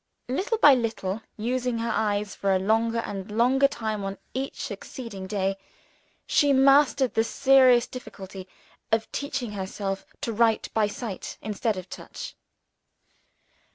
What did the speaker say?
Little by little, using her eyes for a longer and longer time on each succeeding day, she mastered the serious difficulty of teaching herself to write by sight instead of by touch.